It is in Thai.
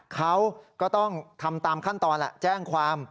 เขาก็ต้องทำตามขั้นตอนแหละแจ้งความ